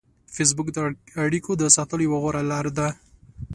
فېسبوک د اړیکو د ساتلو یوه غوره لار ده